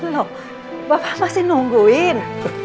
loh bapak masih nungguin